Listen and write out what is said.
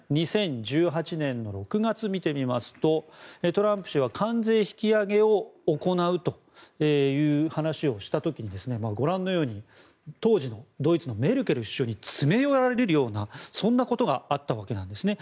更に、２０１８年６月見てみますとトランプ氏は関税引き上げを行うという話をした時にご覧のように当時のドイツのメルケル首相に詰め寄られるようなそんなことがあったわけなんですね。